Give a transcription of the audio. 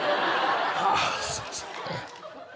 ああすいません。